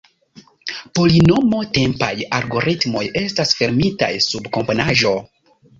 Polinomo-tempaj algoritmoj estas fermitaj sub komponaĵo.